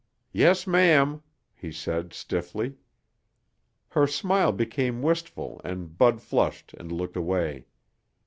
"Yes, ma'am," he said stiffly. Her smile became wistful and Bud flushed and looked away.